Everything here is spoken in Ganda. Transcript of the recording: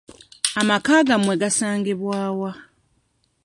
Amaka gammwe gasangibwawa?